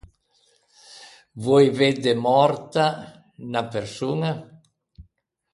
Voei vedde mòrta unna persoña.